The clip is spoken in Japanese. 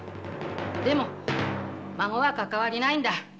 でも孫は関係ないんだ。